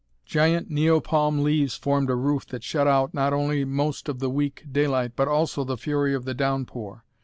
Giant neo palm leaves formed a roof that shut out not only most of the weak daylight, but also the fury of the downpour.